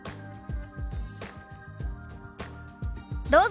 どうぞ。